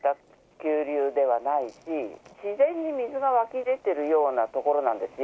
急流ではないし、自然に水が湧き出てるような所なんですよ。